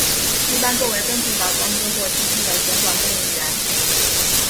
一般作为更复杂装置或机器的旋转动力源。